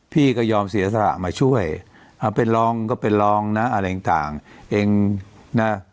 พี่ก็ยอมเสียสละมาช่วยเอาเป็นรองก็เป็นรองนะอะไรต่างเองนะ